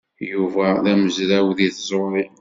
Yuba d amezraw deg tẓuṛi.